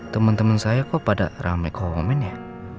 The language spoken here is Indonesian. temen temen saya kok pada rame komen ya